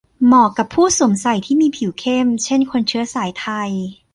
เหมาะกับผู้สวมใส่ที่มีผิวเข้ม เช่น คนเชื้อสายไทย